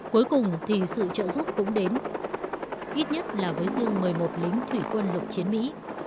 cuối cùng thì sự trợ giúp cũng đến ít nhất là với dư một mươi một lính thủy quân lục chiến mỹ